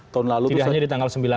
tidak hanya di tanggal sembilan nya